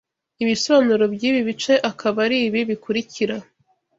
Ibisobanuro by’ibi bice akaba ari ibi bikurikira